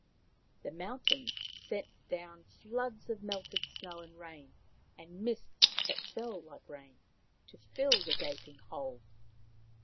The mountains sent down floods of melted snow, and rain, and mists that fell like rain, to fill the gaping hole.